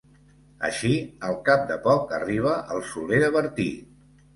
Així, al cap de poc arriba al Soler de Bertí.